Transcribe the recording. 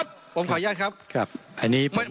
ผมขออนุญาณครับครับอันนี้ครับ